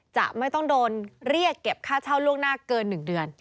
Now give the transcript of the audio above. จะต้องโดนเรียกเก็บค่าเช่าล่วงหน้าเกิน๑เดือน